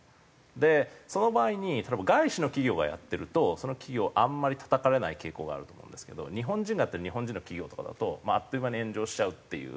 でその場合に例えば外資の企業がやってるとその企業あんまりたたかれない傾向があると思うんですけど日本人がやってる日本人の企業とかだとあっという間に炎上しちゃうっていう。